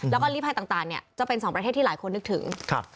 แล้วก็ลิภัยต่างจะเป็นสองประเทศที่หลายคนนึกถึง